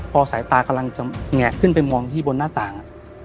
พอสายตากำลังจะแงะขึ้นไปมองที่บนหน้าต่าง